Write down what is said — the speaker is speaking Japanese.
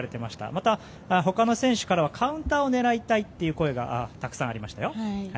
またほかの選手からはカウンターを狙いたいという声がたくさんありました。